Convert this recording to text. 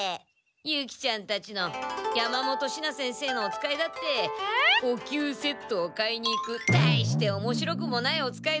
ユキちゃんたちの山本シナ先生のおつかいだっておきゅうセットを買いに行くたいしておもしろくもないおつかいだったりして。